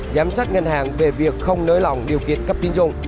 giám sát ngân hàng về việc không nới lỏng điều kiện cấp tiến dụng